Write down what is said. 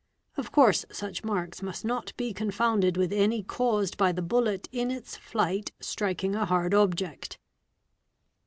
— Of course such marks must not be confounded with any caused by the — bullet in its flight striking a hard object.